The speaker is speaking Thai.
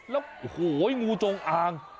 แล้วโอ้โหงูจงอาง